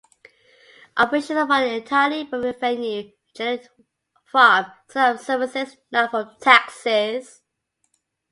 Operations are funded entirely by revenue generated from sale of services, not from taxes.